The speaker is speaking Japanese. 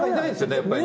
やっぱりね。